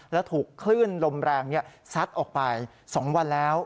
และถูกคลื่นลมแรงซัดออกไป๒วันแล้ว